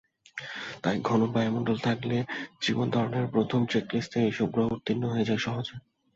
তাই ঘন বায়ুমন্ডল থাকলে জীবন ধারণের প্রথম চেকলিস্টে এসব গ্রহ উত্তীর্ণ হয়ে যায় সহজেই।